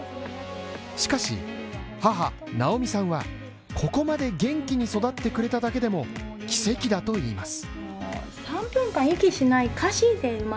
しかし、母・直美さんはここまで元気に育ってくれただけでも奇跡だと言います。